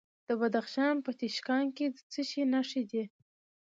د بدخشان په تیشکان کې د څه شي نښې دي؟